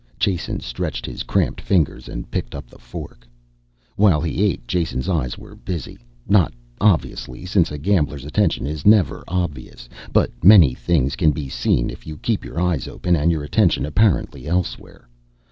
Jason stretched his cramped fingers and picked up the fork. While he ate Jason's eyes were busy. Not obviously, since a gambler's attention is never obvious, but many things can be seen if you keep your eyes open and your attention apparently elsewhere.